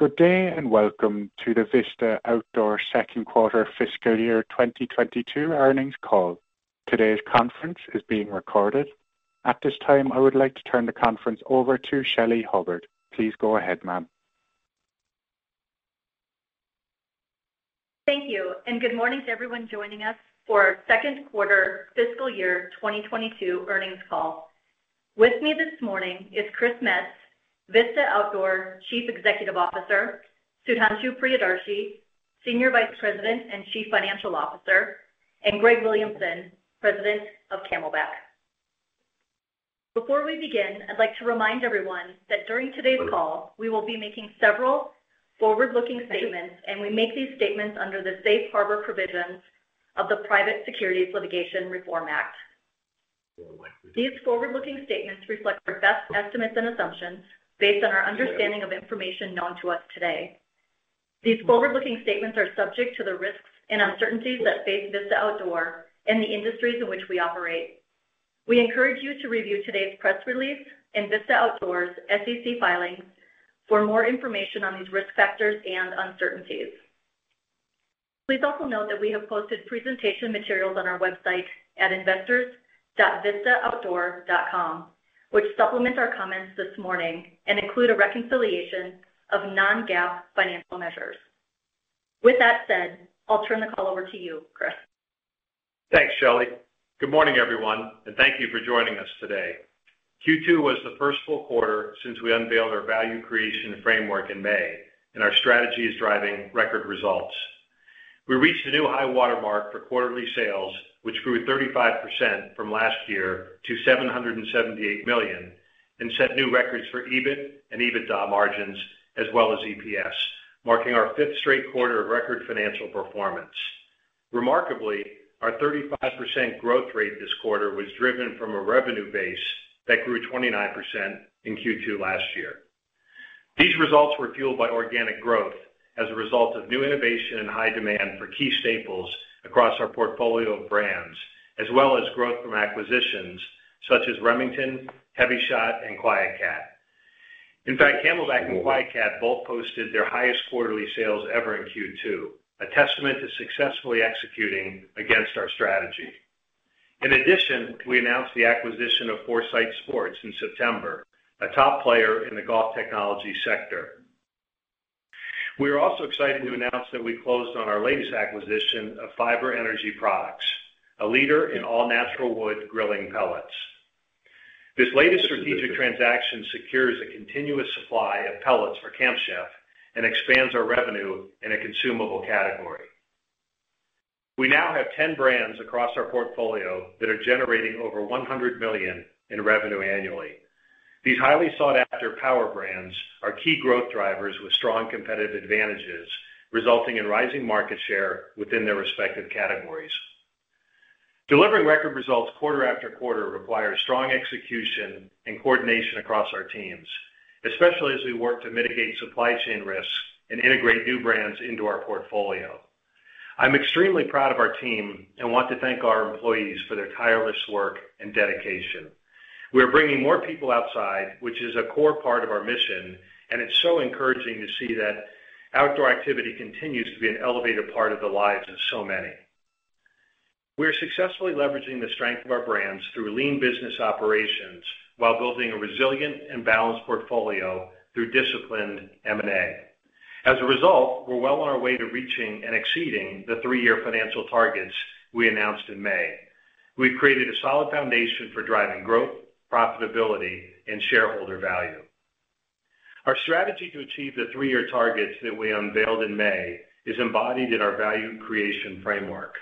Good day, and welcome to the Vista Outdoor second quarter fiscal year 2022 earnings call. Today's conference is being recorded. At this time, I would like to turn the conference over to Shelly Hubbard. Please go ahead, ma'am. Thank you, and good morning to everyone joining us for our second quarter fiscal year 2022 earnings call. With me this morning is Chris Metz, Vista Outdoor Chief Executive Officer, Sudhanshu Priyadarshi, Senior Vice President and Chief Financial Officer, and Greg Williamson, President of CamelBak. Before we begin, I'd like to remind everyone that during today's call, we will be making several forward-looking statements, and we make these statements under the safe harbor provisions of the Private Securities Litigation Reform Act. These forward-looking statements reflect our best estimates and assumptions based on our understanding of information known to us today. These forward-looking statements are subject to the risks and uncertainties that face Vista Outdoor and the industries in which we operate. We encourage you to review today's press release and Vista Outdoor's SEC filings for more information on these risk factors and uncertainties. Please also note that we have posted presentation materials on our website at investors.vistaoutdoor.com, which supplement our comments this morning and include a reconciliation of non-GAAP financial measures. With that said, I'll turn the call over to you, Chris. Thanks, Shelley. Good morning, everyone, and thank you for joining us today. Q2 was the first full quarter since we unveiled our value creation framework in May, and our strategy is driving record results. We reached a new high watermark for quarterly sales, which grew 35% from last year to $778 million and set new records for EBIT and EBITDA margins as well as EPS, marking our fifth straight quarter of record financial performance. Remarkably, our 35% growth rate this quarter was driven from a revenue base that grew 29% in Q2 last year. These results fueled by organic growth as a result of new innovation and high demand for key staples across our portfolio of brands, as well as growth from acquisitions such as Remington, Hevi-Shot, and QuietKat. In fact, CamelBak and QuietKat both posted their highest quarterly sales ever in Q2, a testament to successfully executing against our strategy. In addition, we announced the acquisition of Foresight Sports in September, a top player in the golf technology sector. We are also excited to announce that we closed on our latest acquisition of Fiber Energy Products, a leader in all-natural wood grilling pellets. This latest strategic transaction secures a continuous supply of pellets for Camp Chef and expands our revenue in a consumable category. We now have 10 brands across our portfolio that are generating over $100 million in revenue annually. These highly sought-after power brands are key growth drivers with strong competitive advantages, resulting in rising market share within their respective categories. Delivering record results quarter after quarter requires strong execution and coordination across our teams, especially as we work to mitigate supply chain risks and integrate new brands into our portfolio. I'm extremely proud of our team and want to thank our employees for their tireless work and dedication. We're bringing more people outside, which is a core part of our mission, and it's so encouraging to see that outdoor activity continues to be an elevated part of the lives of so many. We are successfully leveraging the strength of our brands through lean business operations while building a resilient and balanced portfolio through disciplined M&A. As a result, we're well on our way to reaching and exceeding the three-year financial targets we announced in May. We've created a solid foundation for driving growth, profitability, and shareholder value. Our strategy to achieve the three-year targets that we unveiled in May is embodied in our value creation framework.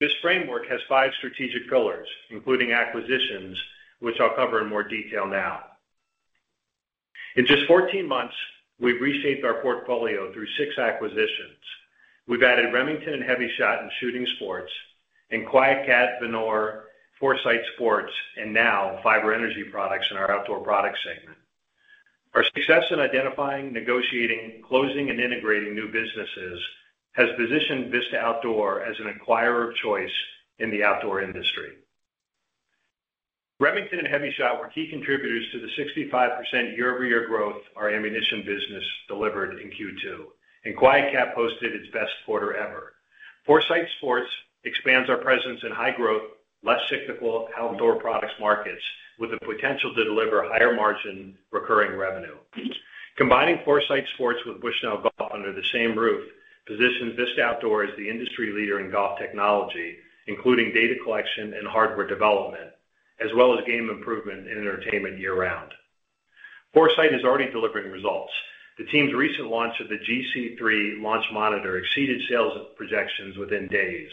This framework has five strategic pillars, including acquisitions, which I'll cover in more detail now. In just 14 months, we've reshaped our portfolio through 6 acquisitions. We've added Remington and Hevi-Shot in shooting sports and QuietKat, Venor, Foresight Sports, and now Fiber Energy Products in our outdoor products segment. Our success in identifying, negotiating, closing, and integrating new businesses has positioned Vista Outdoor as an acquirer of choice in the outdoor industry. Remington and Hevi-Shot were key contributors to the 65% year-over-year growth our ammunition business delivered in Q2, and QuietKat posted its best quarter ever. Foresight Sports expands our presence in high-growth, less cyclical outdoor products markets with the potential to deliver higher margin recurring revenue. Combining Foresight Sports with Bushnell Golf under the same roof positions Vista Outdoor as the industry leader in golf technology, including data collection and hardware development, as well as game improvement and entertainment year-round. Foresight is already delivering results. The team's recent launch of the GC3 Launch Monitor exceeded sales projections within days.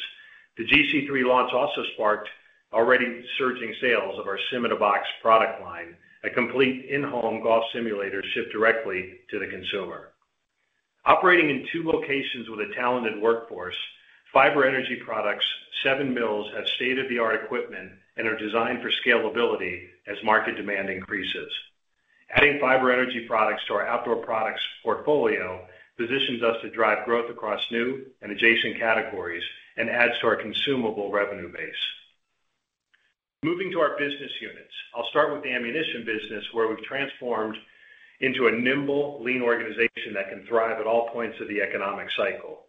The GC3 launch also sparked already surging sales of our SIM in a Box product line, a complete in-home golf simulator shipped directly to the consumer. Operating in two locations with a talented workforce, Fiber Energy Products' seven mills have state-of-the-art equipment and are designed for scalability as market demand increases. Adding Fiber Energy Products to our outdoor products portfolio positions us to drive growth across new and adjacent categories and adds to our consumable revenue base. Moving to our business units. I'll start with the ammunition business, where we've transformed into a nimble, lean organization that can thrive at all points of the economic cycle.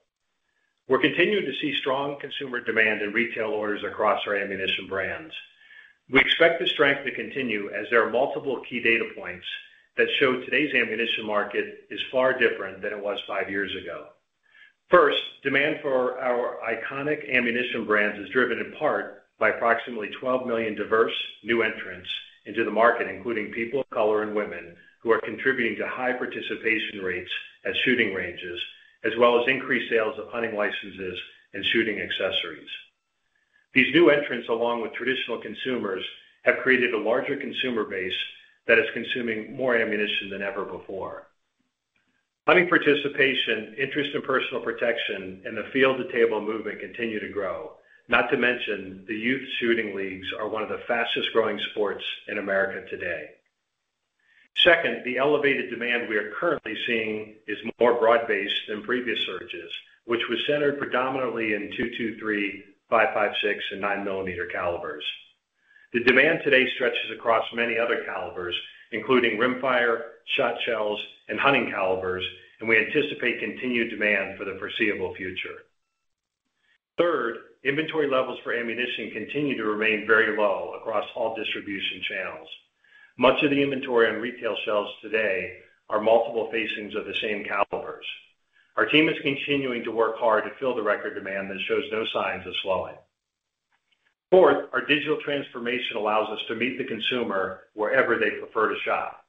We're continuing to see strong consumer demand in retail orders across our ammunition brands. We expect the strength to continue as there are multiple key data points that show today's ammunition market is far different than it was five years ago. First, demand for our iconic ammunition brands is driven in part by approximately 12 million diverse new entrants into the market, including people of color and women, who are contributing to high participation rates at shooting ranges, as well as increased sales of hunting licenses and shooting accessories. These new entrants, along with traditional consumers, have created a larger consumer base that is consuming more ammunition than ever before. Hunting participation, interest in personal protection, and the field-to-table movement continue to grow. Not to mention, the youth shooting leagues are one of the fastest-growing sports in America today. Second, the elevated demand we are currently seeing is more broad-based than previous surges, which was centered predominantly in 223, 556, and 9 millimeter calibers. The demand today stretches across many other calibers, including rimfire, shot shells, and hunting calibers, and we anticipate continued demand for the foreseeable future. Third, inventory levels for ammunition continue to remain very low across all distribution channels. Much of the inventory and retail sales today are multiple facings of the same calibers. Our team is continuing to work hard to fill the record demand that shows no signs of slowing. Fourth, our digital transformation allows us to meet the consumer wherever they prefer to shop.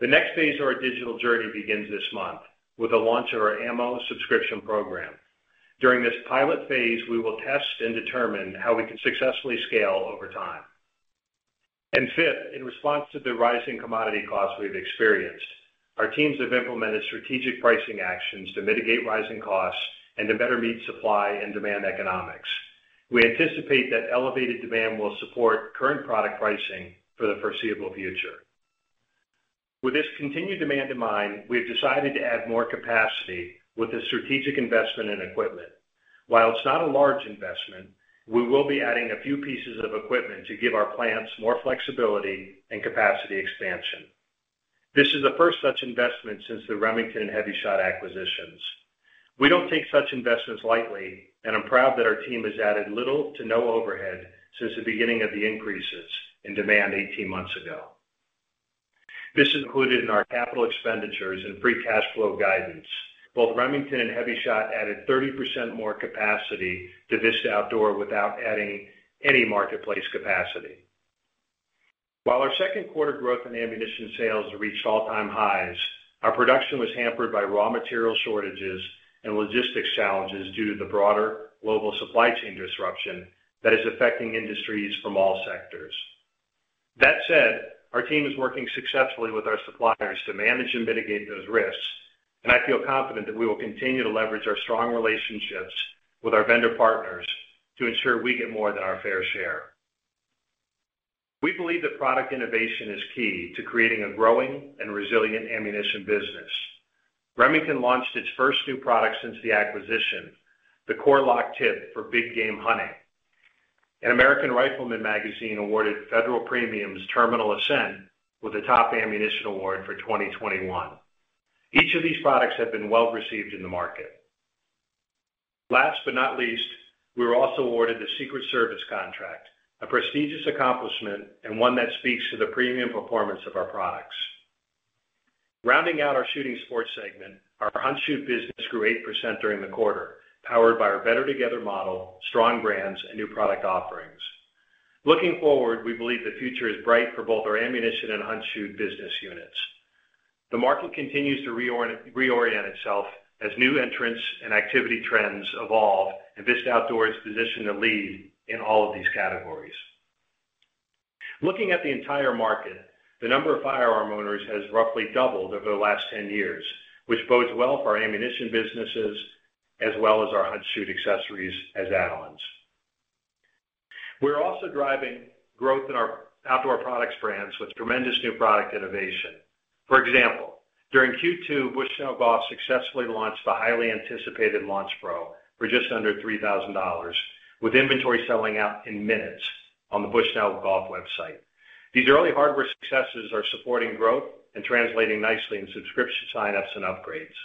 The next phase of our digital journey begins this month with the launch of our ammo subscription program. During this pilot phase, we will test and determine how we can successfully scale over time. Fifth, in response to the rising commodity costs we've experienced, our teams have implemented strategic pricing actions to mitigate rising costs and to better meet supply and demand economics. We anticipate that elevated demand will support current product pricing for the foreseeable future. With this continued demand in mind, we've decided to add more capacity with a strategic investment in equipment. While it's not a large investment, we will be adding a few pieces of equipment to give our plants more flexibility and capacity expansion. This is the first such investment since the Remington and Hevi-Shot acquisitions. We don't take such investments lightly, and I'm proud that our team has added little to no overhead since the beginning of the increases in demand 18 months ago. This is included in our capital expenditures and free cash flow guidance. Both Remington and Hevi-Shot added 30% more capacity to Vista Outdoor without adding any marketplace capacity. While our second quarter growth in ammunition sales reached all-time highs, our production was hampered by raw material shortages and logistics challenges due to the broader global supply chain disruption that is affecting industries from all sectors. That said, our team is working successfully with our suppliers to manage and mitigate those risks, and I feel confident that we will continue to leverage our strong relationships with our vendor partners to ensure we get more than our fair share. We believe that product innovation is key to creating a growing and resilient ammunition business. Remington launched its first new product since the acquisition, the Core-Lokt Tipped for big game hunting. American Rifleman awarded Federal Premium's Terminal Ascent with the top ammunition award for 2021. Each of these products have been well-received in the market. Last but not least, we were also awarded the Secret Service contract, a prestigious accomplishment and one that speaks to the premium performance of our products. Rounding out our shooting sports segment, our hunt, shoot business grew 8% during the quarter, powered by our Better Together model, strong brands, and new product offerings. Looking forward, we believe the future is bright for both our ammunition and hunt, shoot business units. The market continues to reorient itself as new entrants and activity trends evolve, and Vista Outdoor is positioned to lead in all of these categories. Looking at the entire market, the number of firearm owners has roughly doubled over the last 10 years, which bodes well for our ammunition businesses as well as our hunt, shoot accessories as add-ons. We're also driving growth in our outdoor products brands with tremendous new product innovation. For example, during Q2, Bushnell Golf successfully launched the highly anticipated Launch Pro for just under $3,000, with inventory selling out in minutes on the Bushnell Golf website. These early hardware successes are supporting growth and translating nicely into subscription sign-ups and upgrades.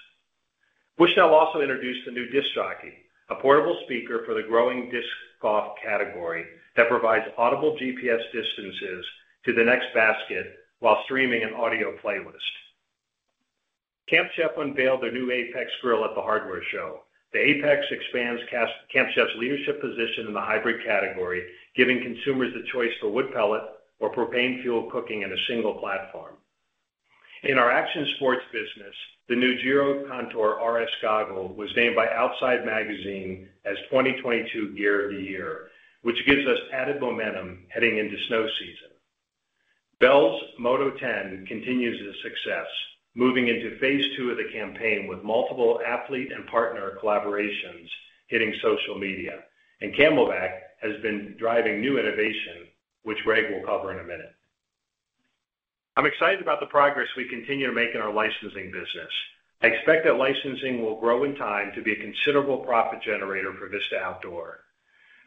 Bushnell also introduced the new Disc Jockey, a portable speaker for the growing disc golf category that provides audible GPS distances to the next basket while streaming an audio playlist. Camp Chef unveiled their new Apex Grill at the Hardware Show. The Apex expands Camp Chef's leadership position in the hybrid category, giving consumers the choice for wood pellet or propane fuel cooking in a single platform. In our action sports business, the new Giro Contour RS Goggle was named by Outside Magazine as 2022 Gear of the Year, which gives us added momentum heading into snow season. Bell's Moto-10 continues its success, moving into phase two of the campaign with multiple athlete and partner collaborations hitting social media. CamelBak has been driving new innovation, which Greg will cover in a minute. I'm excited about the progress we continue to make in our licensing business. I expect that licensing will grow in time to be a considerable profit generator for Vista Outdoor.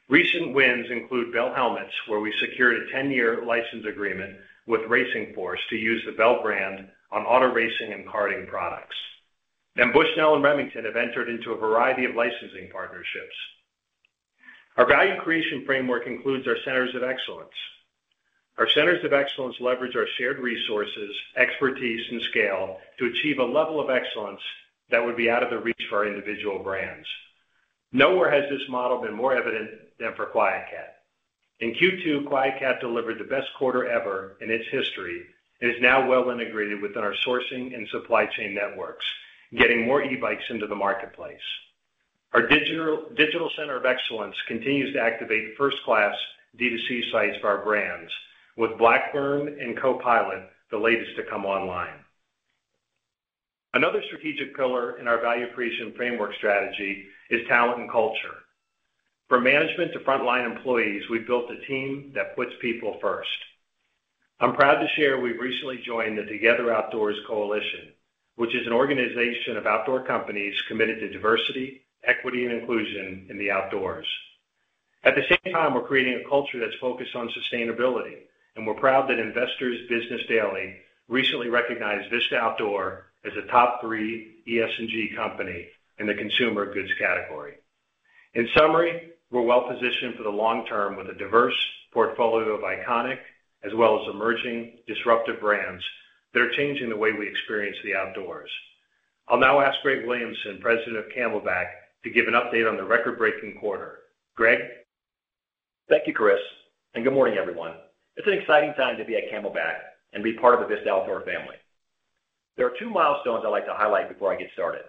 Recent wins include Bell Helmets, where we secured a 10-year license agreement with Racing Force to use the Bell brand on auto racing and karting products. Bushnell and Remington have entered into a variety of licensing partnerships. Our value creation framework includes our centers of excellence. Our centers of excellence leverage our shared resources, expertise, and scale to achieve a level of excellence that would be out of the reach for our individual brands. Nowhere has this model been more evident than for QuietKat. In Q2, QuietKat delivered the best quarter ever in its history and is now well integrated within our sourcing and supply chain networks, getting more e-bikes into the marketplace. Our digital center of excellence continues to activate first-class D2C sites for our brands, with Blackburn and CoPilot, the latest to come online. Another strategic pillar in our value creation framework strategy is talent and culture. From management to frontline employees, we've built a team that puts people first. I'm proud to share we've recently joined the Together Outdoors Coalition, which is an organization of outdoor companies committed to diversity, equity, and inclusion in the outdoors. At the same time, we're creating a culture that's focused on sustainability, and we're proud that Investor's Business Daily recently recognized Vista Outdoor as a top three ESG company in the consumer goods category. In summary, we're well-positioned for the long term with a diverse portfolio of iconic as well as emerging disruptive brands that are changing the way we experience the outdoors. I'll now ask Greg Williamson, President of CamelBak, to give an update on the record-breaking quarter. Greg. Thank you, Chris, and good morning, everyone. It's an exciting time to be at CamelBak and be part of the Vista Outdoor family. There are two milestones I'd like to highlight before I get started.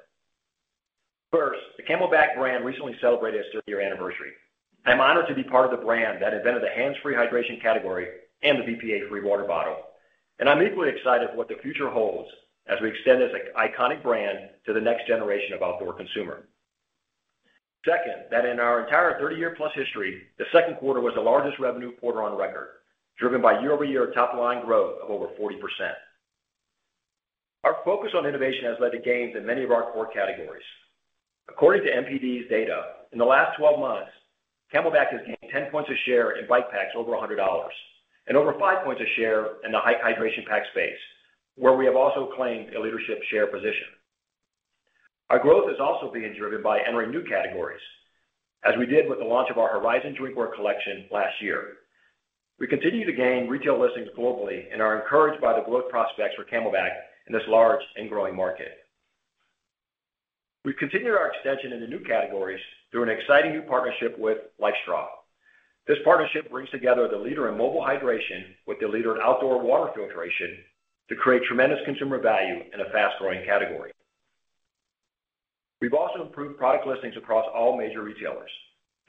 First, the CamelBak brand recently celebrated its 30-year anniversary. I'm honored to be part of the brand that invented the hands-free hydration category and the BPA-free water bottle. I'm equally excited for what the future holds as we extend this iconic brand to the next generation of outdoor consumer. Second, that in our entire 30-year-plus history, the second quarter was the largest revenue quarter on record, driven by year-over-year top line growth of over 40%. Our focus on innovation has led to gains in many of our core categories. According to NPD's data, in the last 12 months, CamelBak has gained 10 points of share in bike packs over $100 and over five points of share in the high hydration pack space, where we have also claimed a leadership share position. Our growth is also being driven by entering new categories, as we did with the launch of our Horizon drinkware collection last year. We continue to gain retail listings globally and are encouraged by the growth prospects for CamelBak in this large and growing market. We've continued our extension into new categories through an exciting new partnership with LifeStraw. This partnership brings together the leader in mobile hydration with the leader in outdoor water filtration to create tremendous consumer value in a fast-growing category. We've also improved product listings across all major retailers,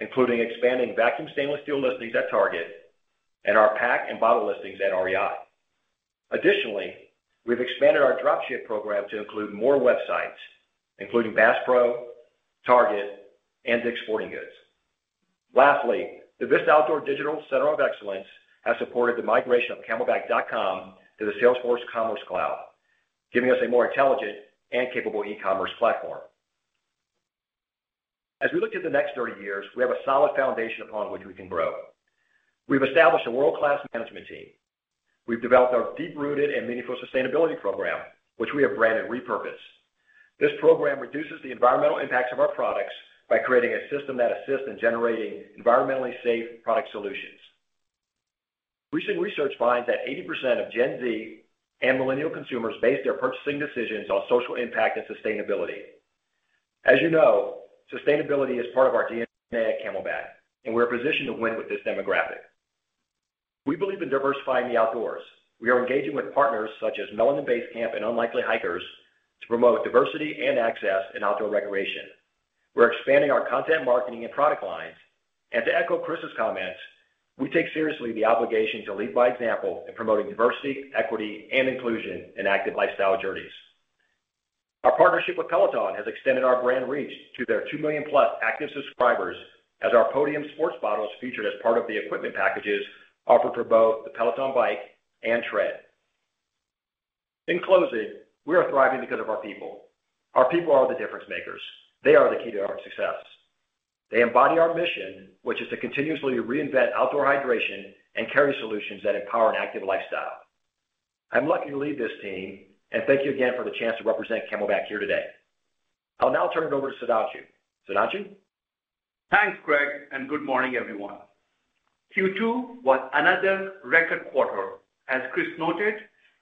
including expanding vacuum stainless steel listings at Target and our pack and bottle listings at REI. Additionally, we've expanded our drop ship program to include more websites, including Bass Pro, Target, and DICK'S Sporting Goods. Lastly, the Vista Outdoor Digital Center of Excellence has supported the migration of camelbak.com to the Salesforce Commerce Cloud, giving us a more intelligent and capable e-commerce platform. As we look to the next 30 years, we have a solid foundation upon which we can grow. We've established a world-class management team. We've developed our deep-rooted and meaningful sustainability program, which we have branded Repurpose. This program reduces the environmental impacts of our products by creating a system that assists in generating environmentally safe product solutions. Recent research finds that 80% of Gen Z and millennial consumers base their purchasing decisions on social impact and sustainability. As you know, sustainability is part of our DNA at CamelBak, and we're positioned to win with this demographic. We believe in diversifying the outdoors. We are engaging with partners such as Melanin Base Camp and Unlikely Hikers to promote diversity and access in outdoor recreation. We're expanding our content marketing and product lines, and to echo Chris's comments, we take seriously the obligation to lead by example in promoting diversity, equity, and inclusion in active lifestyle journeys. Our partnership with Peloton has extended our brand reach to their 2 million-plus active subscribers as our podium sports bottle is featured as part of the equipment packages offered for both the Peloton bike and tread. In closing, we are thriving because of our people. Our people are the difference makers. They are the key to our success. They embody our mission, which is to continuously reinvent outdoor hydration and carry solutions that empower an active lifestyle. I'm lucky to lead this team, and thank you again for the chance to represent CamelBak here today. I'll now turn it over to Sudhanshu. Sudhanshu. Thanks, Greg, and good morning, everyone. Q2 was another record quarter, as Chris noted,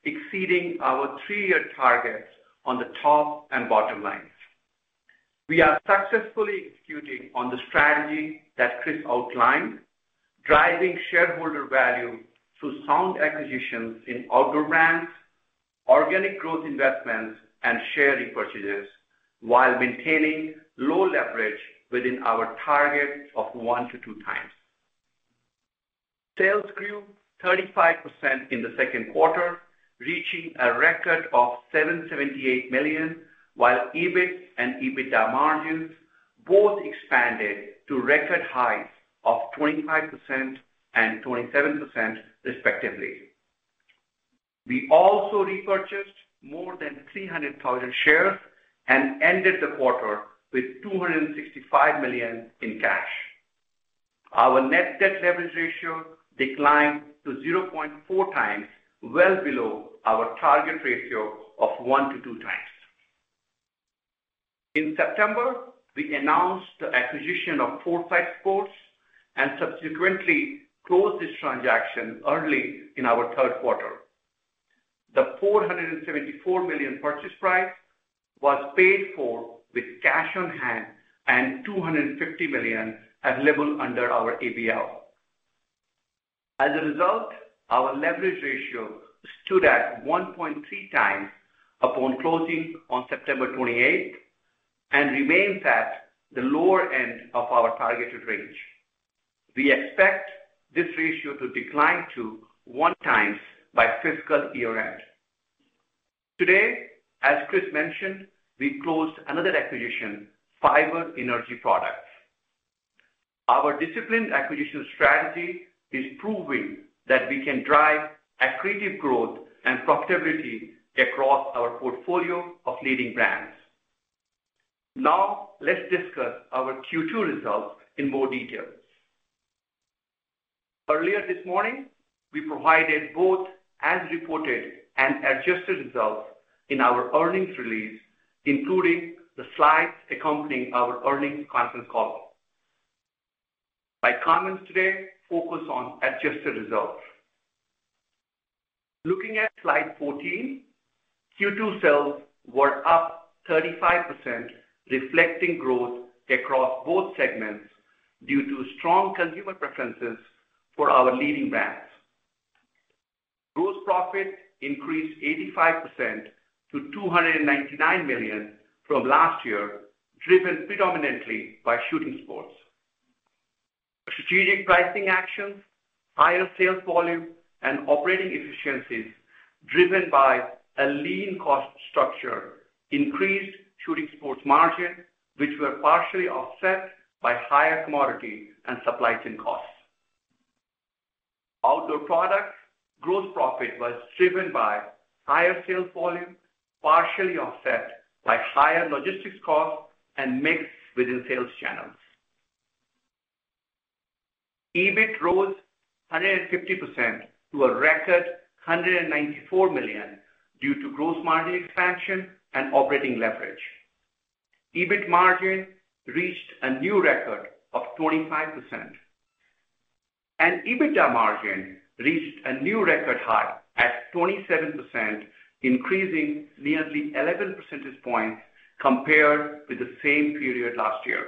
exceeding our three-year targets on the top and bottom lines. We are successfully executing on the strategy that Chris outlined, driving shareholder value through sound acquisitions in outdoor brands, organic growth investments, and share repurchases while maintaining low leverage within our target of one to two times. Sales grew 35% in the second quarter, reaching a record of $778 million, while EBIT and EBITDA margins- Both expanded to record highs of 25% and 27% respectively. We also repurchased more than 300,000 shares and ended the quarter with $265 million in cash. Our net debt leverage ratio declined to 0.4 times, well below our target ratio of 1x-2x. In September, we announced the acquisition of Foresight Sports and subsequently closed this transaction early in our third quarter. The $474 million purchase price was paid for with cash on hand and $250 million available under our ABL. As a result, our leverage ratio stood at 1.3x upon closing on September 28 and remains at the lower end of our targeted range. We expect this ratio to decline to 1 times by fiscal year-end. Today, as Chris mentioned, we closed another acquisition, Fiber Energy Products. Our disciplined acquisition strategy is proving that we can drive accretive growth and profitability across our portfolio of leading brands. Now, let's discuss our Q2 results in more detail. Earlier this morning, we provided both as reported and adjusted results in our earnings release, including the slides accompanying our earnings conference call. My comments today focus on adjusted results. Looking at slide 14, Q2 sales were up 35%, reflecting growth across both segments due to strong consumer preferences for our leading brands. Gross profit increased 85% to $299 million from last year, driven predominantly by Shooting Sports. Strategic pricing actions, higher sales volume, and operating efficiencies driven by a lean cost structure increased Shooting Sports margin, which were partially offset by higher commodity and supply chain costs. Outdoor Products gross profit was driven by higher sales volume, partially offset by higher logistics costs and mix within sales channels. EBIT rose 150% to a record $194 million due to gross margin expansion and operating leverage. EBIT margin reached a new record of 25%, and EBITDA margin reached a new record high at 27%, increasing nearly 11 percentage points compared with the same period last year.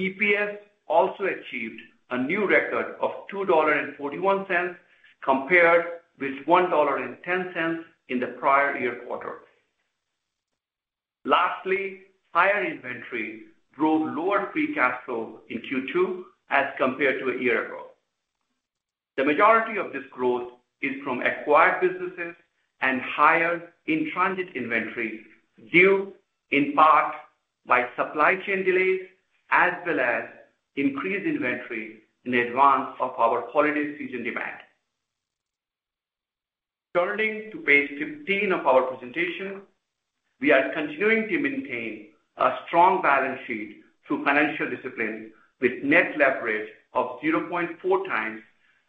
EPS also achieved a new record of $2.41 compared with $1.10 in the prior year quarter. Lastly, higher inventory drove lower free cash flow in Q2 as compared to a year ago. The majority of this growth is from acquired businesses and higher in-transit inventory, due in part by supply chain delays as well as increased inventory in advance of our holiday season demand. Turning to page 15 of our presentation, we are continuing to maintain a strong balance sheet through financial discipline with net leverage of 0.4x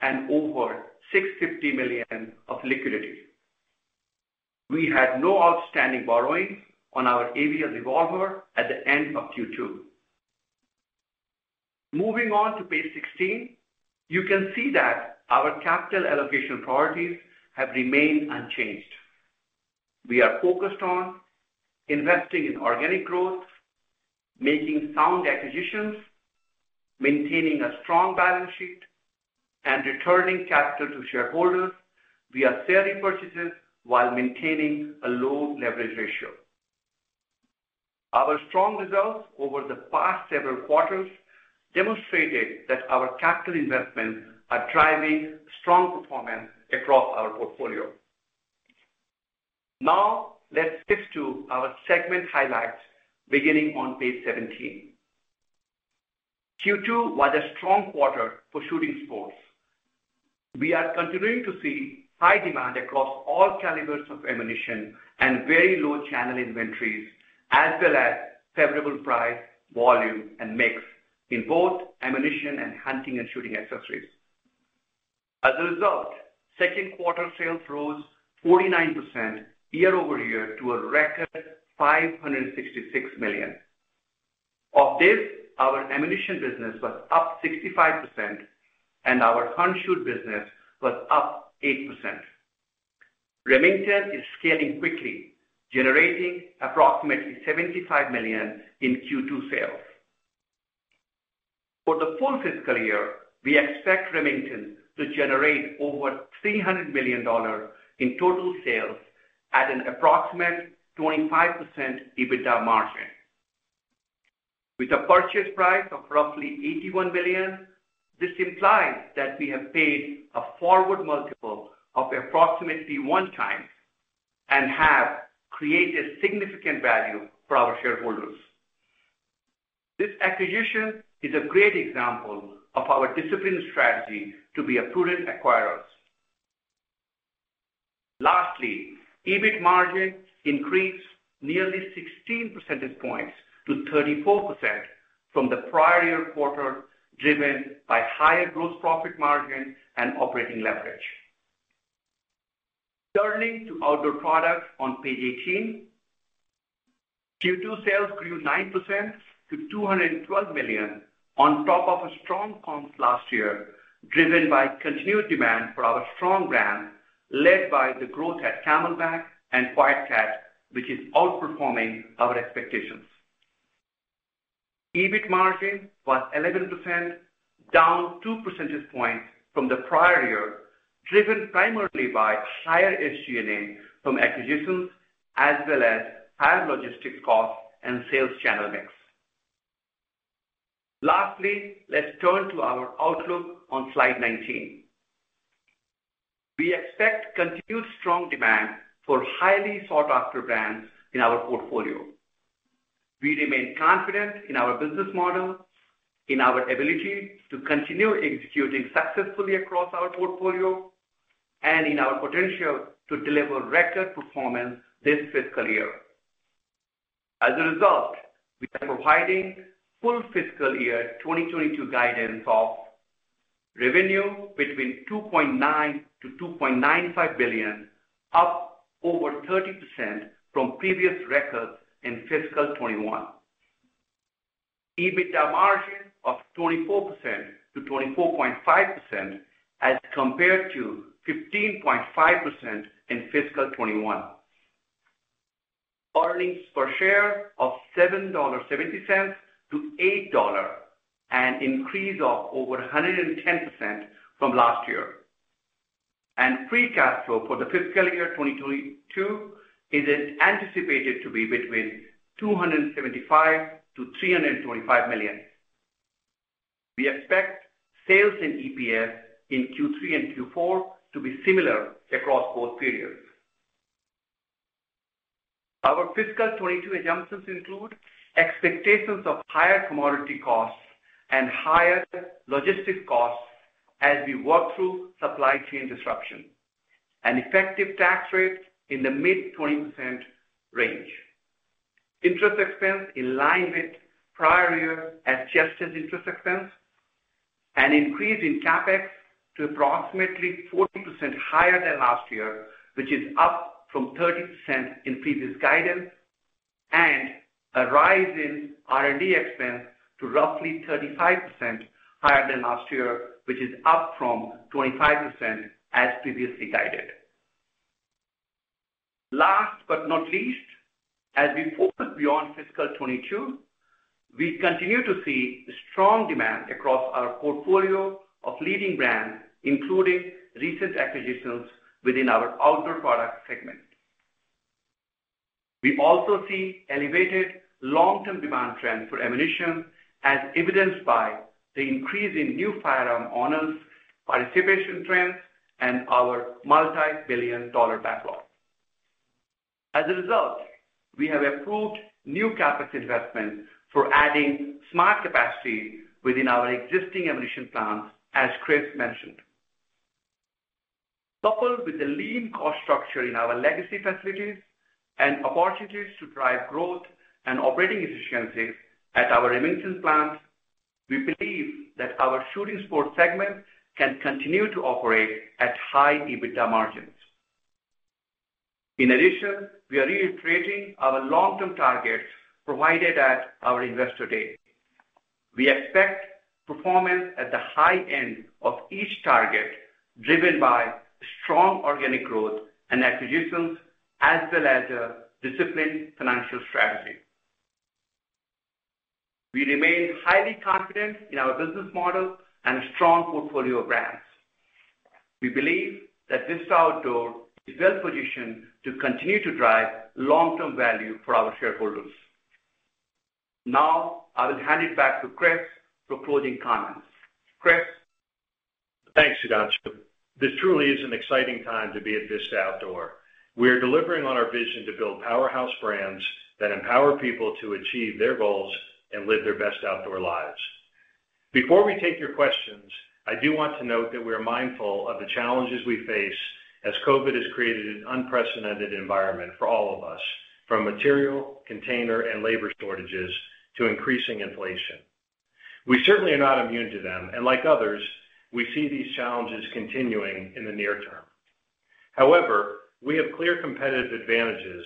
and over $650 million of liquidity. We had no outstanding borrowings on our ABL revolver at the end of Q2. Moving on to page 16, you can see that our capital allocation priorities have remained unchanged. We are focused on investing in organic growth, making sound acquisitions, maintaining a strong balance sheet, and returning capital to shareholders via share repurchases while maintaining a low leverage ratio. Our strong results over the past several quarters demonstrated that our capital investments are driving strong performance across our portfolio. Now, let's shift to our segment highlights beginning on page 17. Q2 was a strong quarter for Shooting Sports. We are continuing to see high demand across all calibers of ammunition and very low channel inventories, as well as favorable price, volume, and mix in both ammunition and hunting and shooting accessories. As a result, second quarter sales rose 49% year-over-year to a record $566 million. Of this, our ammunition business was up 65% and our hunting and shooting business was up 8%. Remington is scaling quickly, generating approximately $75 million in Q2 sales. For the full fiscal year, we expect Remington to generate over $300 million in total sales at an approximate 25% EBITDA margin. With a purchase price of roughly $81 million, this implies that we have paid a forward multiple of approximately 1x and have created significant value for our shareholders. This acquisition is a great example of our disciplined strategy to be a prudent acquirers. Lastly, EBIT margin increased nearly 16 percentage points to 34% from the prior year quarter, driven by higher gross profit margin and operating leverage. Turning to outdoor products on page 18. Q2 sales grew 9% to $212 million on top of a strong comps last year, driven by continued demand for our strong brands, led by the growth at CamelBak and QuietKat, which is outperforming our expectations. EBIT margin was 11%, down 2 percentage points from the prior year, driven primarily by higher SG&A from acquisitions as well as higher logistics costs and sales channel mix. Lastly, let's turn to our outlook on slide 19. We expect continued strong demand for highly sought after brands in our portfolio. We remain confident in our business model, in our ability to continue executing successfully across our portfolio, and in our potential to deliver record performance this fiscal year. As a result, we are providing full fiscal year 2022 guidance of revenue between $2.9 billion-$2.95 billion, up over 30% from previous records in fiscal 2021. EBITDA margin of 24%-24.5% as compared to 15.5% in fiscal 2021. Earnings per share of $7.70-$8, an increase of over 110% from last year. Free cash flow for the fiscal year 2022 is anticipated to be between $275 million-$325 million. We expect sales and EPS in Q3 and Q4 to be similar across both periods. Our fiscal 2022 assumptions include expectations of higher commodity costs and higher logistics costs as we work through supply chain disruption, an effective tax rate in the mid-20% range, interest expense in line with prior year as adjusted interest expense, an increase in CapEx to approximately 14% higher than last year, which is up from 13% in previous guidance, and a rise in R&D expense to roughly 35% higher than last year, which is up from 25% as previously guided. Last but not least, as we look beyond fiscal 2022, we continue to see strong demand across our portfolio of leading brands, including recent acquisitions within our Outdoor Products segment. We also see elevated long-term demand trend for ammunition as evidenced by the increase in new firearm owners, participation trends, and our $ multi-billion-dollar backlog. As a result, we have approved new CapEx investments for adding smart capacity within our existing ammunition plants, as Chris mentioned. Coupled with the lean cost structure in our legacy facilities and opportunities to drive growth and operating efficiencies at our Remington plants, we believe that our shooting sports segment can continue to operate at high EBITDA margins. In addition, we are reiterating our long-term targets provided at our Investor Day. We expect performance at the high end of each target driven by strong organic growth and acquisitions as well as a disciplined financial strategy. We remain highly confident in our business model and strong portfolio of brands. We believe that Vista Outdoor is well positioned to continue to drive long-term value for our shareholders. Now, I will hand it back to Chris for closing comments. Chris? Thanks, Sudhanshu. This truly is an exciting time to be at Vista Outdoor. We are delivering on our vision to build powerhouse brands that empower people to achieve their goals and live their best outdoor lives. Before we take your questions, I do want to note that we are mindful of the challenges we face as COVID has created an unprecedented environment for all of us, from material, container, and labor shortages to increasing inflation. We certainly are not immune to them, and like others, we see these challenges continuing in the near term. However, we have clear competitive advantages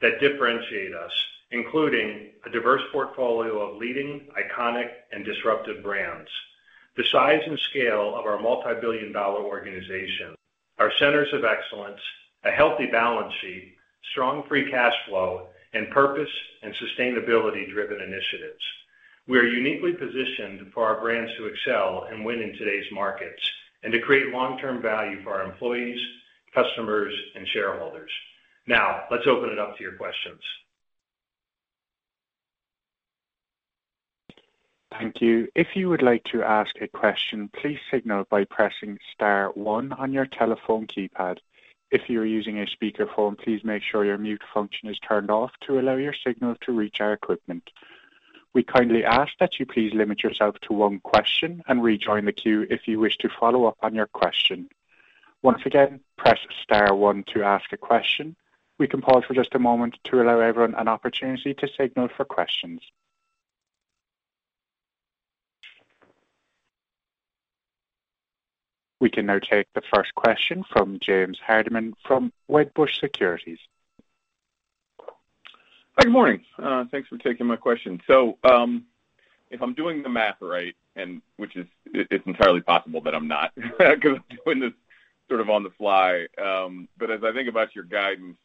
that differentiate us, including a diverse portfolio of leading, iconic, and disruptive brands, the size and scale of our multi-billion-dollar organization, our centers of excellence, a healthy balance sheet, strong free cash flow, and purpose- and sustainability-driven initiatives. We are uniquely positioned for our brands to excel and win in today's markets and to create long-term value for our employees, customers, and shareholders. Now, let's open it up to your questions. Thank you. If you would like to ask a question, please signal by pressing star one on your telephone keypad. If you are using a speakerphone, please make sure your mute function is turned off to allow your signal to reach our equipment. We kindly ask that you please limit yourself to one question and rejoin the queue if you wish to follow up on your question. Once again, press star one to ask a question. We can pause for just a moment to allow everyone an opportunity to signal for questions. We can now take the first question from James Hardiman from Wedbush Securities. Good morning. Thanks for taking my question. If I'm doing the math right, it's entirely possible that I'm not 'cause I'm doing this sort of on the fly. As I think about your guidance,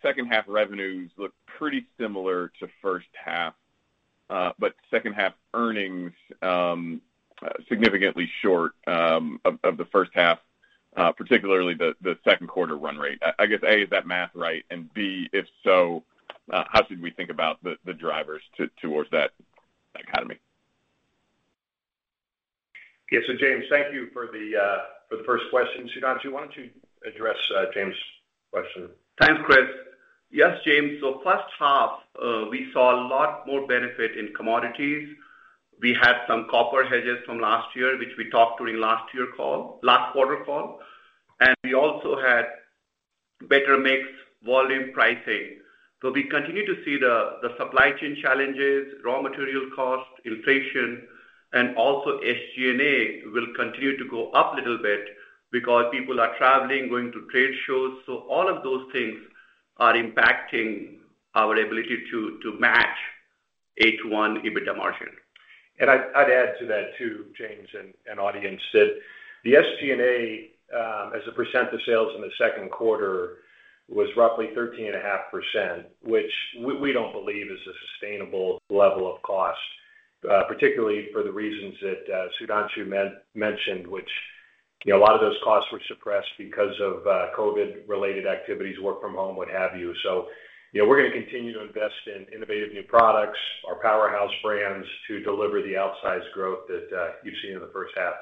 second half revenues look pretty similar to first half, but second half earnings significantly short of the first half, particularly the second quarter run rate. I guess, A, is that math right? B, if so, how should we think about the drivers towards that outcome? James, thank you for the first question. Sudhanshu, why don't you address James' question? Thanks, Chris. Yes, James. First half, we saw a lot more benefit in commodities. We had some copper hedges from last year, which we talked during last quarter call, and we also had better mix volume pricing. We continue to see the supply chain challenges, raw material cost, inflation, and also SG&A will continue to go up a little bit because people are traveling, going to trade shows. All of those things are impacting our ability to match 8-to-1 EBITDA margin. I'd add to that too, James and audience, that the SG&A as a percent of sales in the second quarter was roughly 13.5%, which we don't believe is a sustainable level of cost, particularly for the reasons that Sudhanshu mentioned, which you know, a lot of those costs were suppressed because of COVID-related activities, work from home, what have you. You know, we're gonna continue to invest in innovative new products, our powerhouse brands to deliver the outsized growth that you've seen in the first half.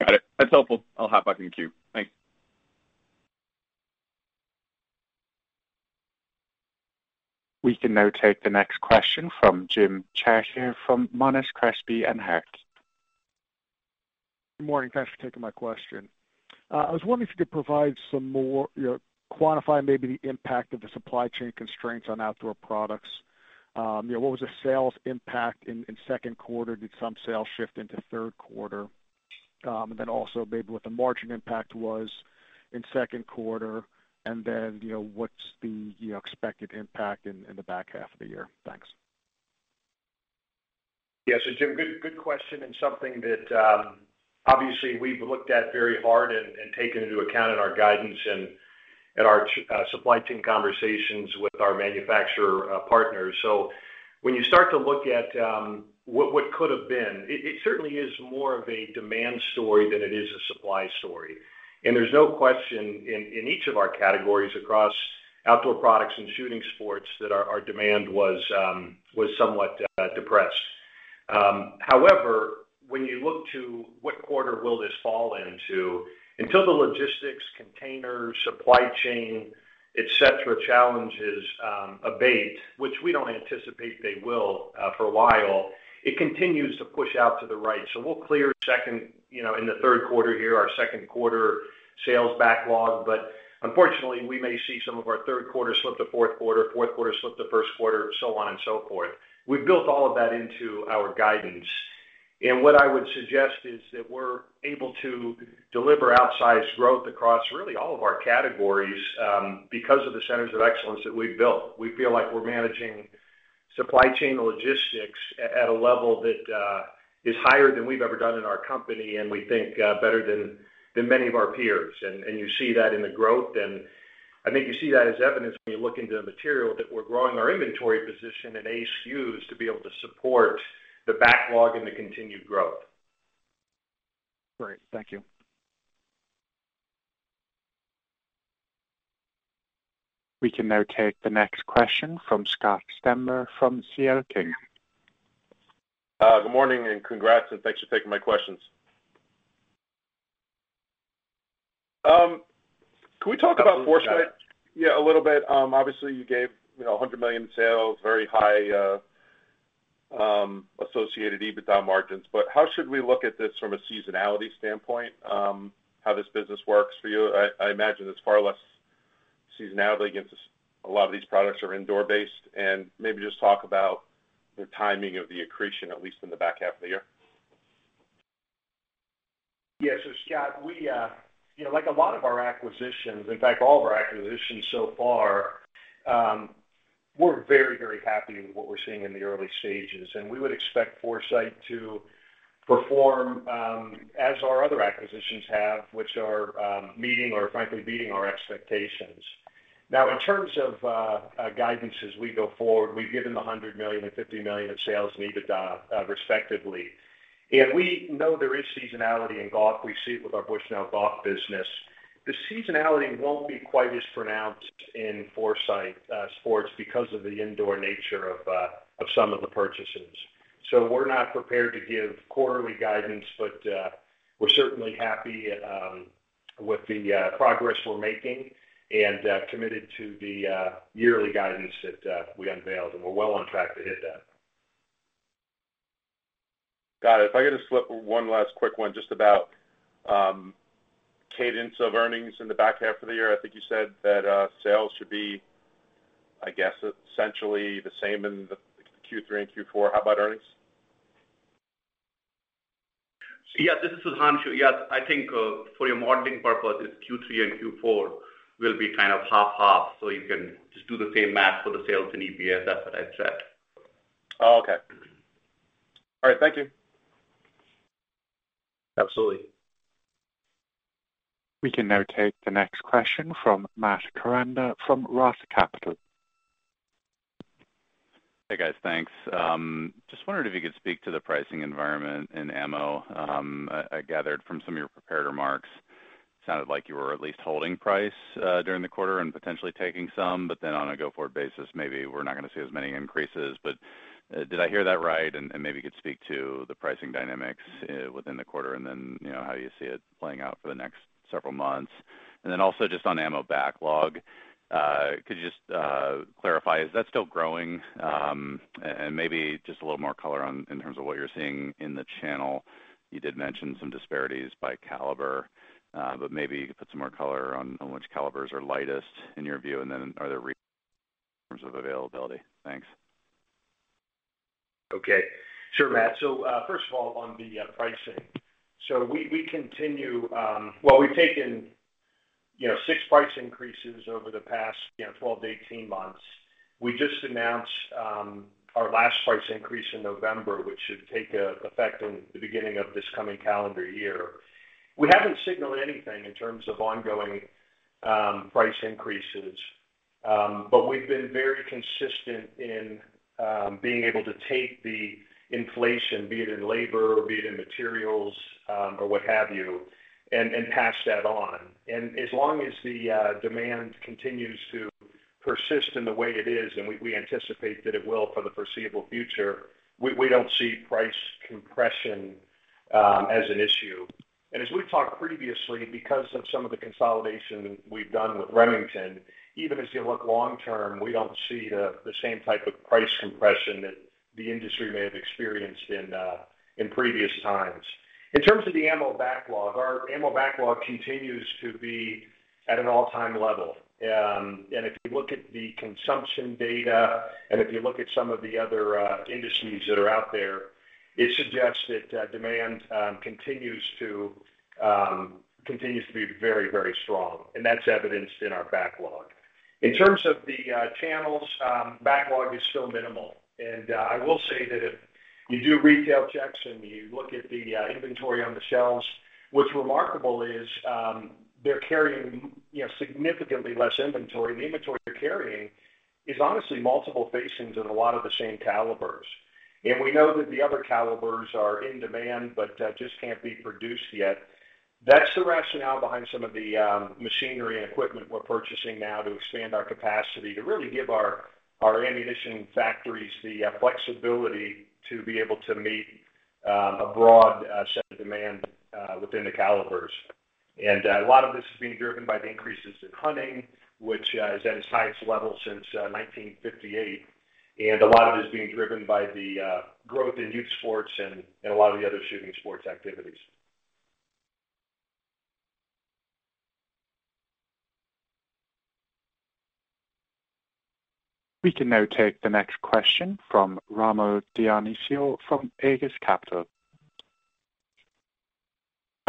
Got it. That's helpful. I'll hop back in the queue. Thanks. We can now take the next question from Jim Chartier from Monness, Crespi, Hardt. Good morning. Thanks for taking my question. I was wondering if you could provide some more you know quantify maybe the impact of the supply chain constraints on outdoor products. You know, what was the sales impact in second quarter? Did some sales shift into third quarter? And then also maybe what the margin impact was in second quarter, and then you know what's the expected impact in the back half of the year? Thanks. Yeah. Jim, good question, and something that obviously we've looked at very hard and taken into account in our guidance and supply chain conversations with our manufacturer partners. When you start to look at what could have been, it certainly is more of a demand story than it is a supply story. There's no question in each of our categories across Outdoor Products and Shooting Sports that our demand was somewhat depressed. However, when you look to what quarter will this fall into, until the logistics, containers, supply chain, et cetera, challenges abate, which we don't anticipate they will for a while, it continues to push out to the right. We'll clear our second quarter sales backlog in the third quarter here, you know, but unfortunately, we may see some of our third quarter slip to fourth quarter, fourth quarter slip to first quarter, so on and so forth. We've built all of that into our guidance. What I would suggest is that we're able to deliver outsized growth across really all of our categories because of the centers of excellence that we've built. We feel like we're managing supply chain logistics at a level that is higher than we've ever done in our company, and we think better than many of our peers. You see that in the growth, and I think you see that as evidence when you look into the material that we're growing our inventory position in SKUs to be able to support the backlog and the continued growth. Great. Thank you. We can now take the next question from Scott Stember from C.L. King. Good morning and congrats, and thanks for taking my questions. Can we talk about Foresight? Yeah, a little bit. Obviously you gave, you know, $100 million in sales, very high, associated EBITDA margins. But how should we look at this from a seasonality standpoint, how this business works for you? I imagine it's far less seasonality against this, a lot of these products are indoor based. Maybe just talk about the timing of the accretion, at least in the back half of the year. Scott, we, you know, like a lot of our acquisitions, in fact all of our acquisitions so far, we're very, very happy with what we're seeing in the early stages. We would expect Foresight Sports to perform as our other acquisitions have, which are meeting or frankly beating our expectations. Now, in terms of guidance as we go forward, we've given $100 million and $50 million in sales and EBITDA, respectively. We know there is seasonality in golf. We see it with our Bushnell Golf business. The seasonality won't be quite as pronounced in Foresight Sports because of the indoor nature of some of the purchases. We're not prepared to give quarterly guidance, but we're certainly happy with the progress we're making and committed to the yearly guidance that we unveiled, and we're well on track to hit that. Got it. If I could just slip one last quick one just about cadence of earnings in the back half of the year. I think you said that sales should be, I guess, essentially the same in the Q3 and Q4. How about earnings? This is Sudhanshu. Yes. I think, for your modeling purposes, Q3 and Q4 will be kind of half half, so you can just do the same math for the sales and EPS. That's what I'd said. Oh, okay. All right. Thank you. Absolutely. We can now take the next question from Matt Koranda from Roth Capital Partners. Hey, guys. Thanks. Just wondered if you could speak to the pricing environment in ammo. I gathered from some of your prepared remarks. Sounded like you were at least holding price during the quarter and potentially taking some, but then on a go-forward basis, maybe we're not gonna see as many increases. Did I hear that right? Maybe you could speak to the pricing dynamics within the quarter and then, you know, how you see it playing out for the next several months. Also just on ammo backlog, could you just clarify, is that still growing? And maybe just a little more color on in terms of what you're seeing in the channel. You did mention some disparities by caliber, but maybe you could put some more color on which calibers are lightest in your view, and then are there in terms of availability. Thanks. Okay. Sure, Matt. First of all, on the pricing. We continue. Well, we've taken, you know, six price increases over the past, you know, 12 to 18 months. We just announced our last price increase in November, which should take effect in the beginning of this coming calendar year. We haven't signaled anything in terms of ongoing price increases, but we've been very consistent in being able to take the inflation, be it in labor, be it in materials, or what have you, and pass that on. As long as the demand continues to persist in the way it is, and we anticipate that it will for the foreseeable future, we don't see price compression as an issue. As we've talked previously, because of some of the consolidation we've done with Remington, even as you look long term, we don't see the same type of price compression that the industry may have experienced in previous times. In terms of the ammo backlog, our ammo backlog continues to be at an all-time level. If you look at the consumption data, and if you look at some of the other industries that are out there, it suggests that demand continues to be very, very strong, and that's evidenced in our backlog. In terms of channels, backlog is still minimal. I will say that if you do retail checks and you look at the inventory on the shelves, what's remarkable is they're carrying, you know, significantly less inventory. The inventory they're carrying is honestly multiple facings in a lot of the same calibers. We know that the other calibers are in demand, but just can't be produced yet. That's the rationale behind some of the machinery and equipment we're purchasing now to expand our capacity to really give our ammunition factories the flexibility to be able to meet a broad set of demand within the calibers. A lot of this is being driven by the increases in hunting, which is at its highest level since 1958. A lot of it is being driven by the growth in youth sports and a lot of the other shooting sports activities. We can now take the next question from Rommel Dionisio from Aegis Capital.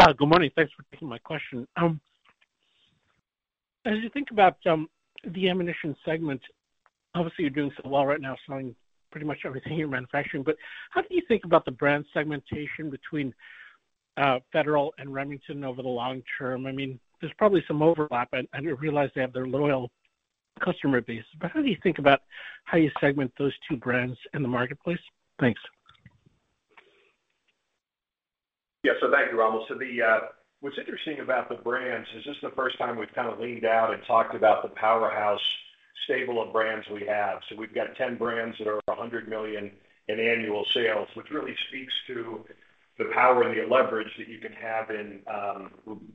Good morning. Thanks for taking my question. As you think about the ammunition segment, obviously, you're doing so well right now, selling pretty much everything you're manufacturing. How do you think about the brand segmentation between Federal and Remington over the long term? I mean, there's probably some overlap, and I realize they have their loyal customer base, but how do you think about how you segment those two brands in the marketplace? Thanks. Yeah. Thank you, Rommel. What's interesting about the brands is this is the first time we've kind of leaned out and talked about the powerhouse stable of brands we have. We've got 10 brands that are $100 million in annual sales, which really speaks to the power and the leverage that you can have in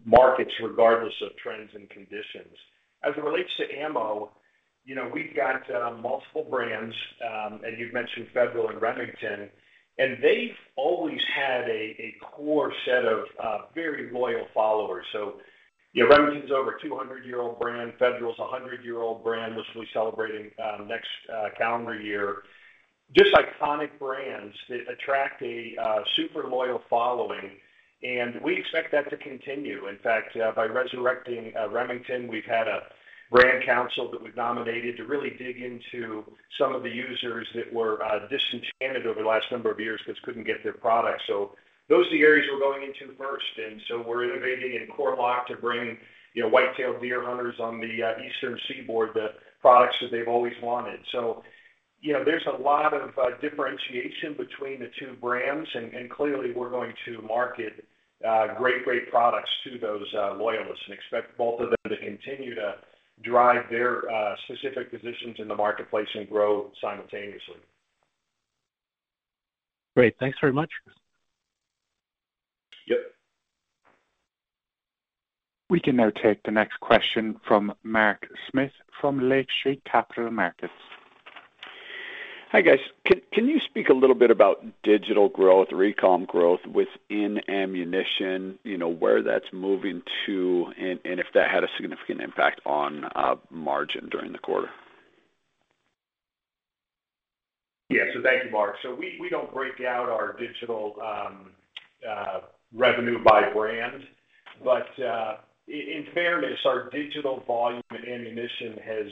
markets regardless of trends and conditions. As it relates to ammo, you know, we've got multiple brands, and you've mentioned Federal and Remington, and they've always had a core set of very loyal followers. You know, Remington's over 200-year-old brand. Federal's a 100-year-old brand, which we'll be celebrating next calendar year. Just iconic brands that attract a super loyal following, and we expect that to continue. In fact, by resurrecting Remington, we've had a brand council that we've nominated to really dig into some of the users that were disenchanted over the last number of years because couldn't get their product. Those are the areas we're going into first, and we're innovating in Core-Lokt to bring, you know, whitetail deer hunters on the Eastern Seaboard, the products that they've always wanted. You know, there's a lot of differentiation between the two brands, and clearly we're going to market great products to those loyalists, and expect both of them to continue to drive their specific positions in the marketplace and grow simultaneously. Great. Thanks very much. Yep. We can now take the next question from Mark Smith from Lake Street Capital Markets. Hi, guys. Can you speak a little bit about digital growth, ecom growth within ammunition, you know, where that's moving to and if that had a significant impact on margin during the quarter? Thank you, Mark. We don't break out our digital revenue by brand. In fairness, our digital volume in ammunition has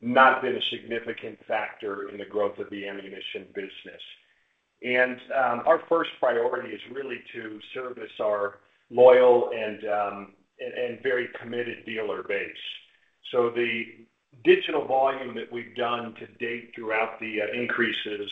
not been a significant factor in the growth of the ammunition business. Our first priority is really to service our loyal and very committed dealer base. The digital volume that we've done to date throughout the increases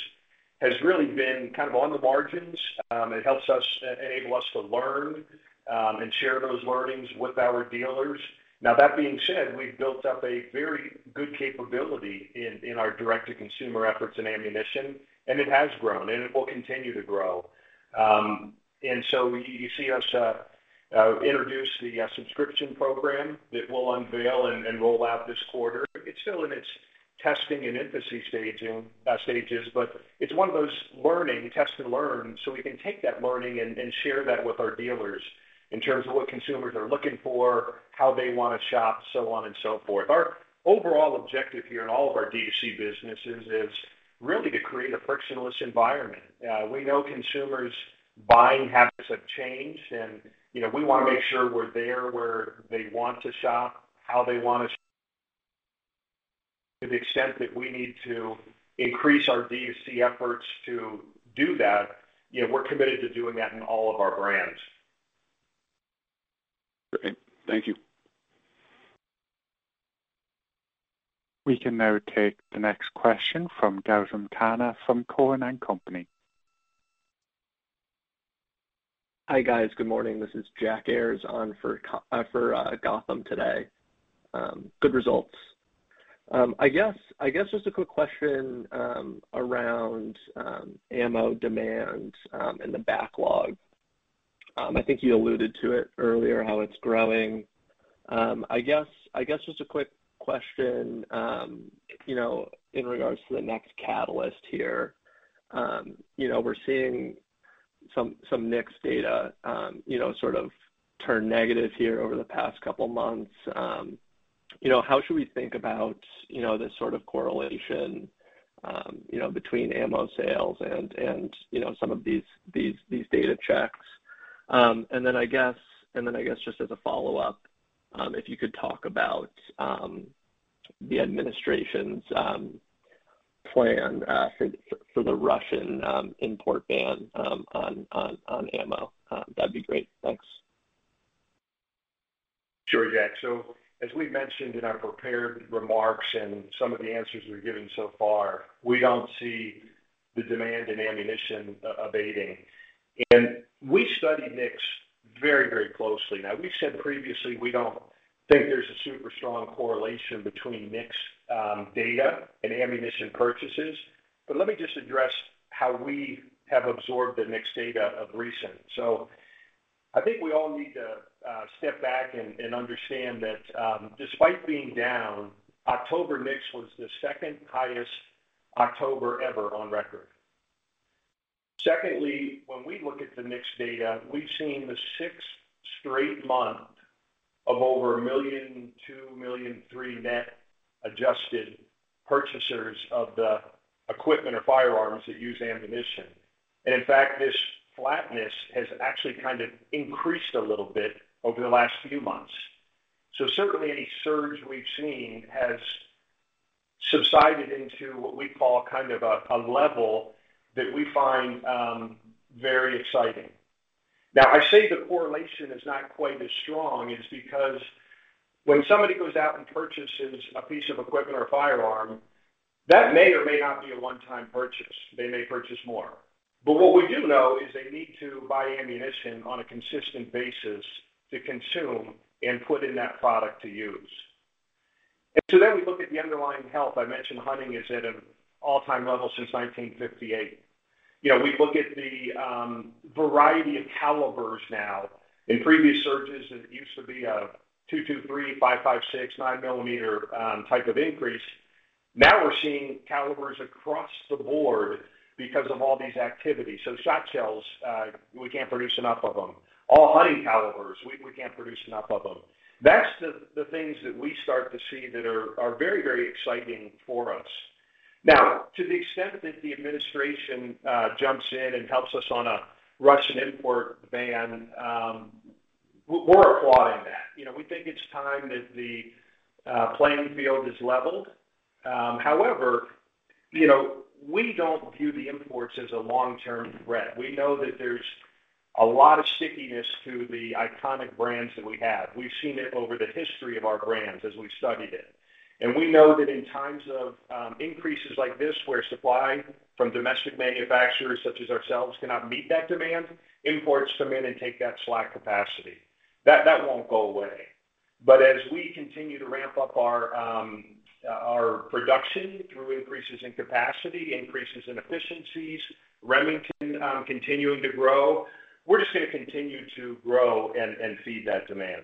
has really been kind of on the margins. It enables us to learn and share those learnings with our dealers. Now that being said, we've built up a very good capability in our direct-to-consumer efforts in ammunition, and it has grown, and it will continue to grow. You see us introduce the subscription program that we'll unveil and roll out this quarter. It's still in its testing and infancy stages, but it's one of those learning, test to learn, so we can take that learning and share that with our dealers in terms of what consumers are looking for, how they wanna shop, so on and so forth. Our overall objective here in all of our D2C businesses is really to create a frictionless environment. We know consumers' buying habits have changed, and, you know, we wanna make sure we're there where they want to shop, how they wanna. To the extent that we need to increase our D2C efforts to do that, you know, we're committed to doing that in all of our brands. Great. Thank you. We can now take the next question from Gautam Khanna from Cowen and Company. Hi, guys. Good morning. This is Jack Ayres on for Gautam today. Good results. I guess just a quick question around ammo demand and the backlog. I guess just a quick question, you know, in regards to the next catalyst here. You know, we're seeing some NICS data, you know, sort of turn negative here over the past couple months. You know, how should we think about, you know, the sort of correlation, you know, between ammo sales and, you know, some of these data checks? Just as a follow-up, if you could talk about the administration's plan for the Russian import ban on ammo, that'd be great. Thanks. Sure, Jack. As we mentioned in our prepared remarks and some of the answers we've given so far, we don't see the demand in ammunition abating. We study NICS very, very closely. Now we've said previously, we don't think there's a super strong correlation between NICS data and ammunition purchases. Let me just address how we have absorbed the NICS data of recent. I think we all need to step back and understand that, despite being down, October NICS was the second highest October ever on record. Secondly, when we look at the NICS data, we've seen the sixth straight month of over 1 million, 2 million, 3 million net adjusted purchasers of the equipment or firearms that use ammunition. In fact, this flatness has actually kind of increased a little bit over the last few months. Certainly any surge we've seen has subsided into what we call kind of a level that we find very exciting. Now I say the correlation is not quite as strong is because when somebody goes out and purchases a piece of equipment or firearm, that may or may not be a one-time purchase. They may purchase more. But what we do know is they need to buy ammunition on a consistent basis to consume and put in that product to use. We look at the underlying health. I mentioned hunting is at an all-time level since 1958. You know, we look at the variety of calibers now. In previous surges, it used to be a 223, 5.56, 9 millimeter type of increase. Now we're seeing calibers across the board because of all these activities. Shot shells, we can't produce enough of them. All hunting calibers, we can't produce enough of them. That's the things that we start to see that are very, very exciting for us. Now, to the extent that the administration jumps in and helps us on a Russian import ban, we're applauding that. You know, we think it's time that the playing field is leveled. However, you know, we don't view the imports as a long-term threat. We know that there's a lot of stickiness to the iconic brands that we have. We've seen it over the history of our brands as we've studied it. We know that in times of increases like this, where supply from domestic manufacturers such as ourselves cannot meet that demand, imports come in and take that slack capacity. That won't go away. As we continue to ramp up our production through increases in capacity, increases in efficiencies, Remington continuing to grow, we're just gonna continue to grow and feed that demand.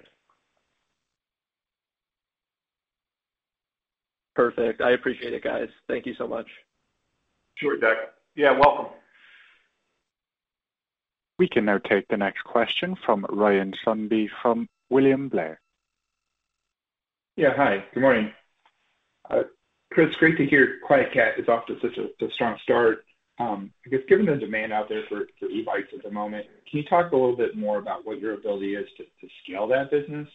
Perfect. I appreciate it, guys. Thank you so much. Sure, Jack Ayres. Yeah, welcome. We can now take the next question from Ryan Sundby from William Blair. Hi. Good morning. Chris, great to hear QuietKat is off to such a strong start. I guess given the demand out there for e-bikes at the moment, can you talk a little bit more about what your ability is to scale that business?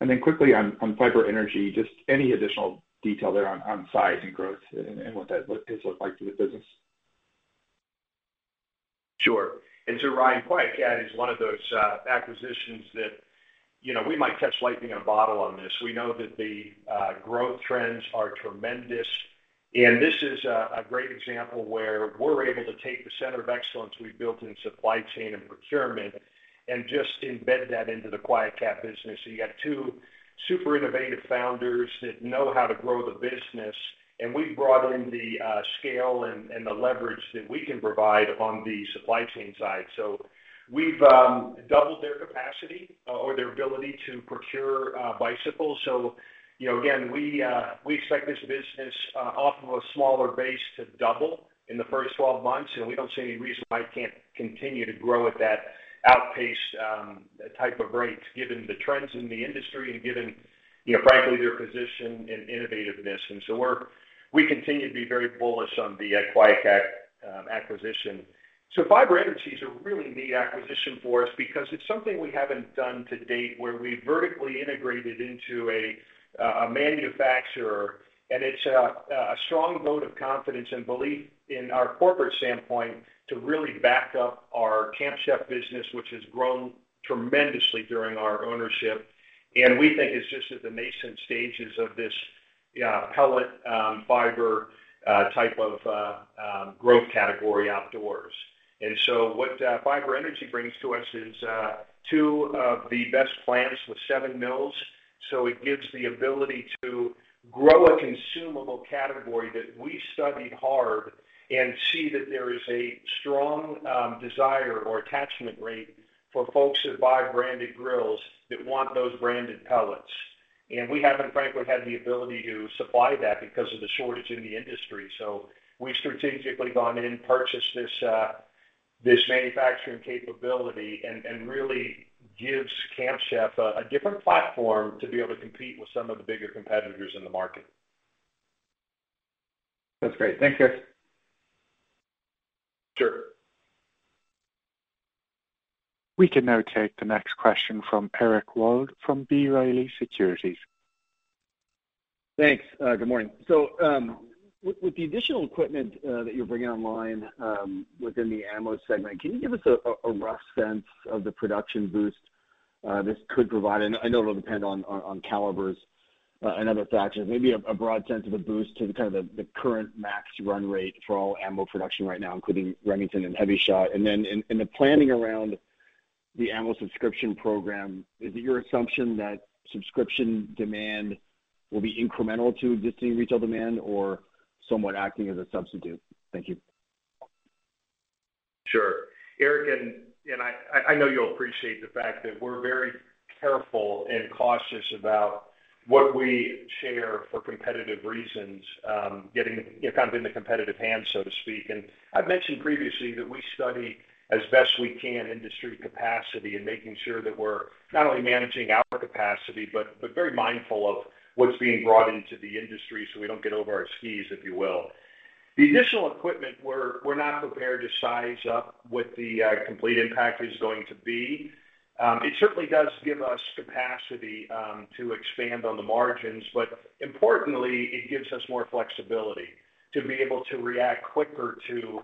Then quickly on Fiber Energy, just any additional detail there on size and growth and what that looks like for the business. Sure. Ryan, QuietKat is one of those acquisitions that, you know, we might catch lightning in a bottle on this. We know that the growth trends are tremendous. This is a great example where we're able to take the center of excellence we built in supply chain and procurement and just embed that into the QuietKat business. You got two super innovative founders that know how to grow the business, and we've brought in the scale and the leverage that we can provide on the supply chain side. We've doubled their capacity or their ability to procure bicycles. Again, we expect this business off of a smaller base to double in the first 12 months, and we don't see any reason why it can't continue to grow at that outpaced type of rate, given the trends in the industry and given, you know, frankly, their position and innovativeness. We continue to be very bullish on the QuietKat acquisition. Fiber Energy is a really neat acquisition for us because it's something we haven't done to date, where we vertically integrated into a manufacturer. It's a strong vote of confidence and belief in our corporate standpoint to really back up our Camp Chef business, which has grown tremendously during our ownership. We think it's just at the nascent stages of this pellet fiber type of growth category outdoors. What Fiber Energy brings to us is two of the best plants with seven mills. It gives the ability to grow a consumable category that we studied hard and see that there is a strong desire or attachment rate for folks that buy branded grills that want those branded pellets. We haven't, frankly, had the ability to supply that because of the shortage in the industry. We've strategically gone in, purchased this manufacturing capability and really gives Camp Chef a different platform to be able to compete with some of the bigger competitors in the market. That's great. Thanks, Chris. Sure. We can now take the next question from Eric Wold from B. Riley Securities. Thanks. Good morning. With the additional equipment that you're bringing online within the ammo segment, can you give us a rough sense of the production boost this could provide? I know it'll depend on calibers and other factors. Maybe a broad sense of a boost to the kind of the current max run rate for all ammo production right now, including Remington and Hevi-Shot. Then in the planning around the ammo subscription program, is it your assumption that subscription demand will be incremental to existing retail demand or somewhat acting as a substitute? Thank you. Sure. Eric, I know you'll appreciate the fact that we're very careful and cautious about what we share for competitive reasons, getting, you know, kind of in the competitive hand, so to speak. I've mentioned previously that we study as best we can industry capacity and making sure that we're not only managing our capacity, but very mindful of what's being brought into the industry so we don't get over our skis, if you will. The additional equipment, we're not prepared to size up what the complete impact is going to be. It certainly does give us capacity to expand on the margins, but importantly, it gives us more flexibility to be able to react quicker to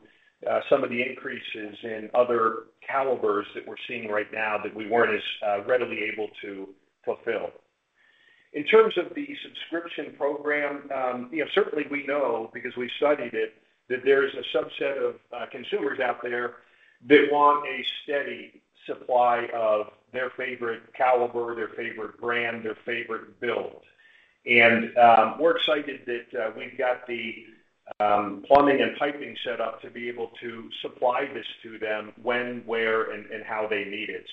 some of the increases in other calibers that we're seeing right now that we weren't as readily able to fulfill. In terms of the subscription program, you know, certainly we know because we studied it, that there is a subset of consumers out there that want a steady supply of their favorite caliber, their favorite brand, their favorite build. We're excited that we've got the plumbing and piping set up to be able to supply this to them when, where, and how they need it.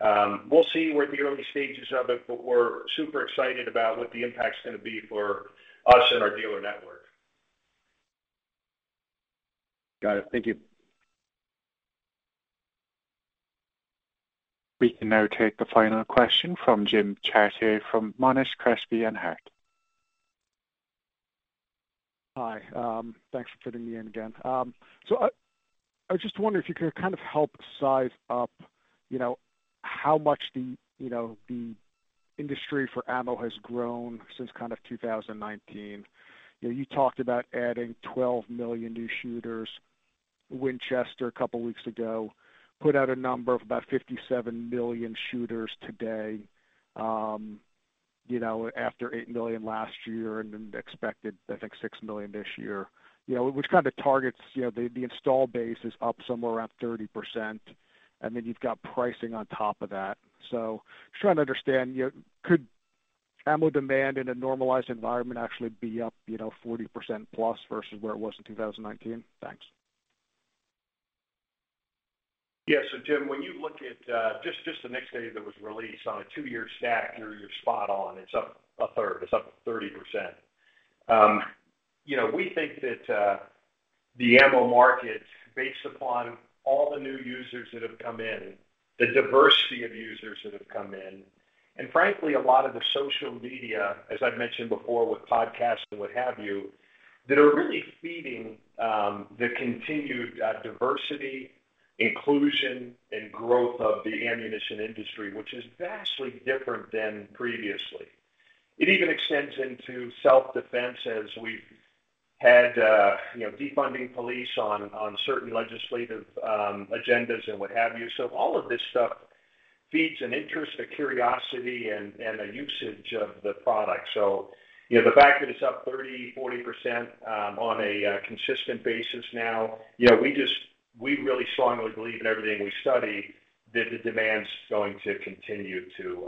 We'll see. We're at the early stages of it, but we're super excited about what the impact's gonna be for us and our dealer network. Got it. Thank you. We can now take the final question from Jim Chartier from Monness, Crespi, and Hardt. Hi. Thanks for fitting me in again. I was just wondering if you could kind of help size up, you know, how much the, you know, the industry for ammo has grown since kind of 2019. You know, you talked about adding 12 million new shooters. Winchester a couple weeks ago put out a number of about 57 million shooters today, you know, after 8 million last year and expected, I think, 6 million this year. You know, which kind of targets, you know, the installed base is up somewhere around 30%, and then you've got pricing on top of that. Just trying to understand, you know, could ammo demand in a normalized environment actually be up, you know, 40% plus versus where it was in 2019? Thanks. Yeah. Jim, when you look at the NICS data that was released on a two-year stack, you're spot on. It's up a third. It's up 30%. You know, we think that the ammo market, based upon all the new users that have come in, the diversity of users that have come in, and frankly, a lot of the social media, as I've mentioned before, with podcasts and what have you, that are really feeding the continued diversity, inclusion, and growth of the ammunition industry, which is vastly different than previously. It even extends into self-defense, as we've had you know, defunding police on certain legislative agendas and what have you. All of this stuff feeds an interest, a curiosity, and a usage of the product. You know, the fact that it's up 30%-40% on a consistent basis now, you know, we really strongly believe in everything we study that the demand's going to continue to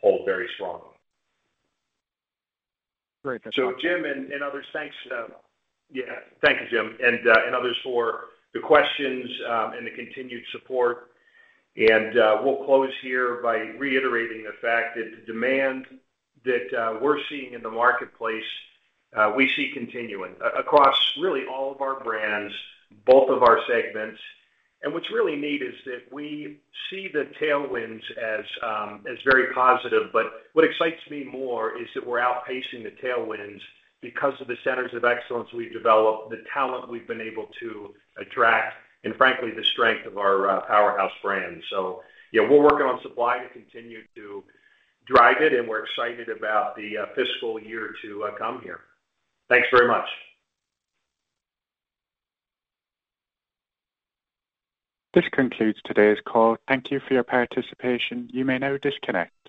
hold very strongly. Great. That's helpful. Jim and others, thanks. Yeah. Thank you, Jim, and others for the questions and the continued support. We'll close here by reiterating the fact that the demand that we're seeing in the marketplace, we see continuing across really all of our brands, both of our segments. What's really neat is that we see the tailwinds as very positive, but what excites me more is that we're outpacing the tailwinds because of the centers of excellence we've developed, the talent we've been able to attract, and frankly, the strength of our powerhouse brands. Yeah, we're working on supply to continue to drive it, and we're excited about the fiscal year to come here. Thanks very much. This concludes today's call. Thank you for your participation. You may now disconnect.